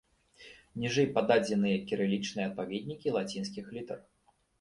Ніжэй пададзеныя кірылічныя адпаведнікі лацінскіх літар.